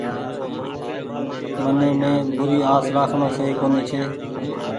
من مين بوري آس رآکڻو سئي ڪونيٚ ڇي۔